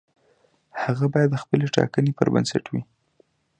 هغه باید د خپلې ټاکنې پر بنسټ وي.